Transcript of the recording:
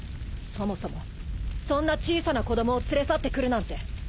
そもそもそんな小さな子供を連れ去ってくるなんて